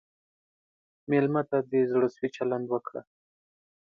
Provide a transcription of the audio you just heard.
مېلمه ته د زړه سوي چلند وکړه.